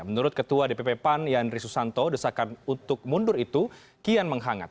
menurut ketua dpp pan yandri susanto desakan untuk mundur itu kian menghangat